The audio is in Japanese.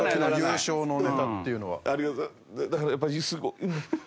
だからやっぱり。